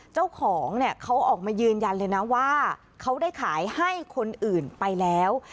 เจ้าของเนี่ยเขาออกมายืนยันเลยนะว่าเขาได้ขายให้คนอื่นไปแล้ว